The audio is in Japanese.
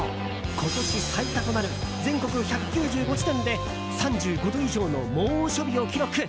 今年最多となる全国１９５地点で３５度以上の猛暑日を記録。